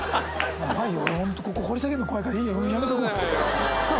怖いよ、ここ掘り下げんの怖いから、いいよ、やめとくよ。